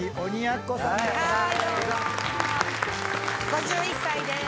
５１歳です。